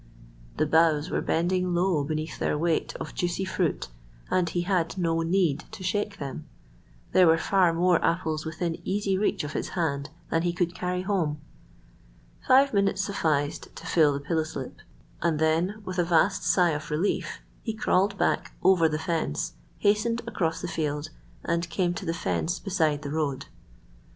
The boughs were bending low beneath their weight of juicy fruit, and he had no need to shake them. There were far more apples within easy reach of his hand than he could carry home. Five minutes sufficed to fill the pillow slip, and then, with a vast sigh of relief, he crawled back over the fence, hastened across the field, and came to the fence beside the road.